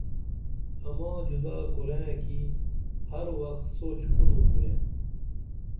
اما جُدا کُرئیں کی ہر وخ سوچ کُنون مے